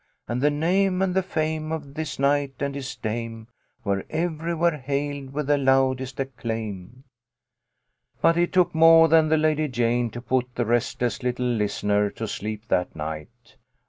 And the name and the fame of this knight and his dame Were ^wry where hailed with the loud est zc c/aim" 66 THE LITTLE COLONEL'S HOLIDAYS. But it took more than the Lady Jane to put the restless little listener to sleep that night.